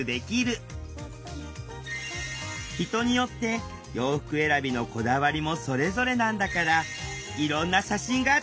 人によって洋服選びのこだわりもそれぞれなんだからいろんな写真があっていいわよねアップデート！